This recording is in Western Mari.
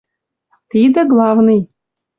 тидӹ главный